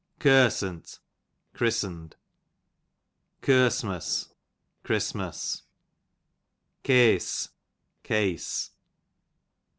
fCersunt, christened. Ker«mu8, Christmas., Kese, case.